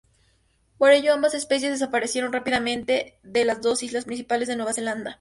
Por ello ambas especies desaparecieron rápidamente de las dos islas principales de Nueva Zelanda.